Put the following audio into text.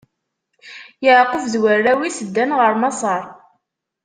Yeɛqub d warraw-is ddan ɣer Maseṛ.